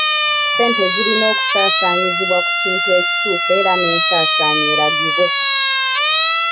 Ssente zirina okusaasaanyizibwa ku kintu ekituufu era n'ensaasaanya eragibwe.